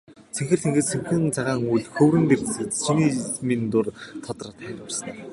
Цэнхэр тэнгэрт сэмжин цагаан үүл хөврөн сэтгэлд чиний минь дүр тодроод хайр урсана.